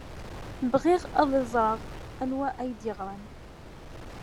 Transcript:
Bɣiɣ ad ẓreɣ anwa ay d-yeɣran.